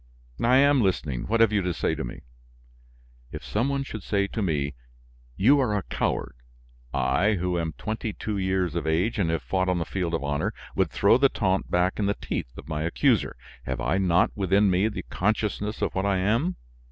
"I am listening, what have you to say to me?" "If some one should say to me: 'You are a coward!' I, who am twenty two years of age and have fought on the field of honor, would throw the taunt back in the teeth of my accuser. Have I not within me the consciousness of what I am?